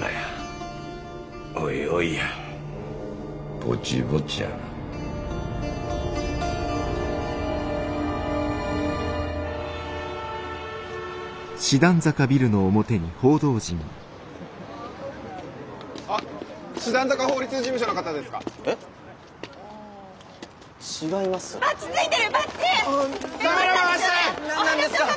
何なんですか！？